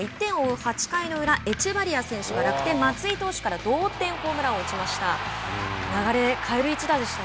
８回裏、エチェバリア選手が楽天松井投手から同点ホームランを打ちました。